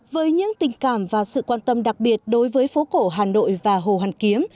với những tình cảm và sự quan tâm đặc biệt đối với phố cổ hà nội và hồ hoàn kiếm